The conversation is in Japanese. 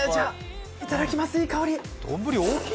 いただきます、いい香り。